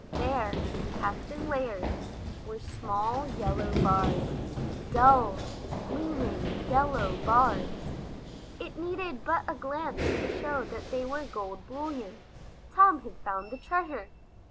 There, packed in layers, were small yellow bars; dull, gleaming, yellow bars! It needed but a glance to show that they were gold bullion. Tom had found the treasure.